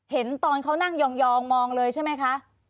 เห็นตอนเขานั่งยองมองเลยใช่ไหมคะ